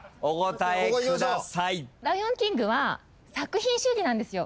『ライオンキング』は作品主義なんですよ。